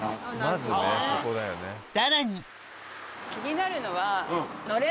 さらに気になるのは。